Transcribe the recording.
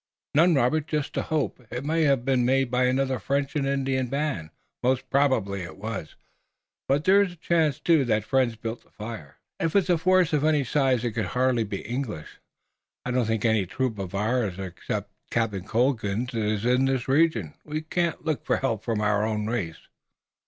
"None, Robert, just a hope. It might have been made by another French and Indian band, most probably it was, but there is a chance, too, that friends built the fire." "If it's a force of any size it could hardly be English. I don't think any troop of ours except Captain Colden's is in this region." "We can't look for help from our own race."